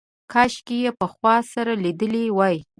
کاشکې یې پخوا سره لیدلي وای.